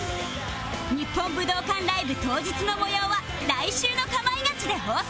日本武道館ライブ当日の模様は来週の『かまいガチ』で放送！